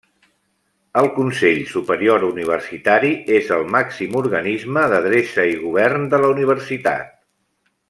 El Consell Superior Universitari és el màxim organisme d'adreça i govern de la Universitat.